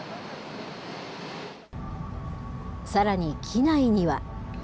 さらに機内には。